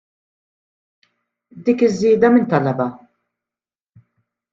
Dik iż-żieda min talabha?